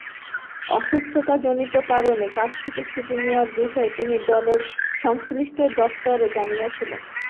অসুস্থতাজনিত কারণে কাজ থেকে ছুটি নেওয়ার বিষয়ে তিনি দলের সংশ্লিষ্ট দফতরে জানিয়েছিলেন।